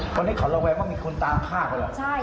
คนนี้เขาระแวงว่ามีคนตามฆ่าเขาเหรอ